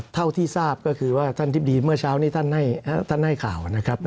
เท่าที่ทราบก็คือว่าท่านทิบดีเมื่อเช้านี้ท่านให้ข่าวนะครับ